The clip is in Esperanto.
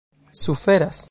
suferas